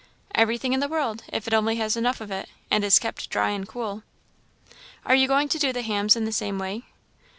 "Everything in the world if it only has enough of it, and is kept dry and cool." "Are you going to do the hams in the same way?"